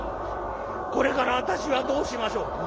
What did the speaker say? これから私はどうしましょう？」。